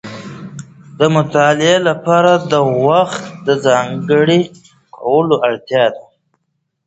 د مطالعې لپاره د وخت ځانګړی کولو اړتیا ده.